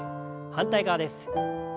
反対側です。